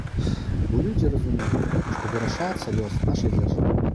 Бо людзі разумеюць, што вырашаецца лёс нашай дзяржавы.